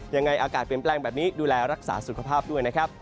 ยังไงอากาศเปลี่ยนแปลงแบบนี้ดูแลรักษาสุขภาพด้วยนะครับ